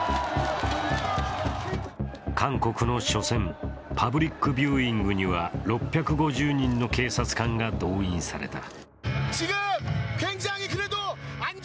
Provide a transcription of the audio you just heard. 韓国の初戦、パブリックビューイングには６５０人の警察官が動員された。